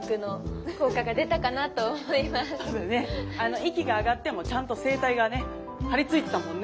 息が上がってもちゃんと声帯がね張り付いてたもんね。